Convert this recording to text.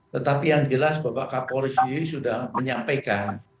tetapi yang jelas bapak kapolisi sudah menyampaikan